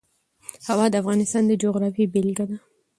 هوا د افغانستان د جغرافیې بېلګه ده.